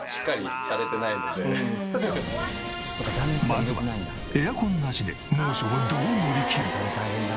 まずはエアコンなしで猛暑をどう乗りきる？